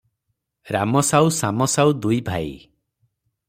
ରାମ ସାଉ ଶାମ ସାଉ ଦୁଇ ଭାଇ ।